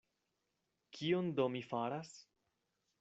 Kion do mi faras?